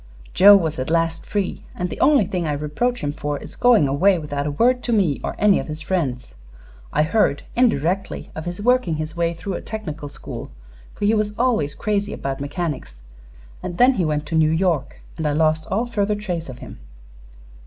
"Joe was at last free, and the only thing I reproach him for is going away without a word to me or any of his friends. I heard, indirectly, of his working his way through a technical school, for he was always crazy about mechanics, and then he went to New York and I lost all further trace of him."